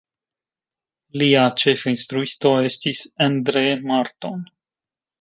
Lia ĉefinstruisto estis Endre Marton.